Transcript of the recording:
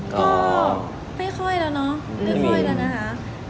ก็ไม่ค่อยแล้วเนาะไม่ค่อยแล้วนะคะ